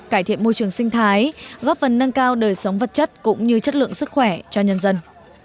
cải thiện môi trường sinh thái góp phần nâng cao đời sống vật chất cũng như chất lượng sức khỏe cho nhân dân